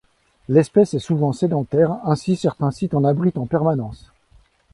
L'espèce est souvent sédentaire, ainsi certains sites en abritent en permanence.